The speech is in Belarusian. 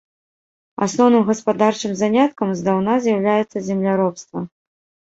Асноўным гаспадарчым заняткам здаўна з'яўляецца земляробства.